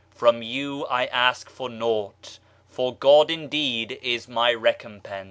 "From you I ask for naught, for God indeed is my recompense."